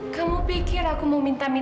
kamu pikir aku mau minta minta